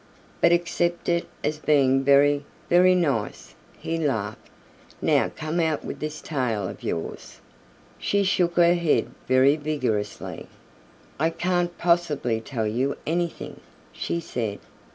"But accept it as being very, very nice," he laughed. "Now come, out with this tale of yours." She shook her head very vigorously. "I can't possibly tell you anything," she said.